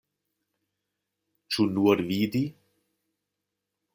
Ĉu nur vidi?